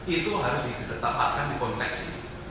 itu harus ditetapkan di konteks ini